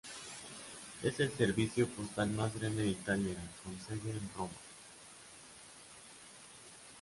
Es el servicio postal más grande de Italia, con sede en Roma.